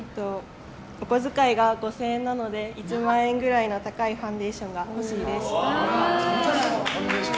お小遣いが５０００円なので１万円くらいの高いファンデーションが欲しいです。